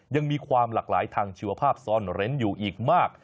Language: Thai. ยังมีความหลากหลายทางชีวภาพซ่อนเร้นอยู่อีกมาก